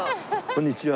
こんにちは。